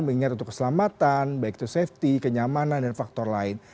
mengingat untuk keselamatan baik itu safety kenyamanan dan faktor lain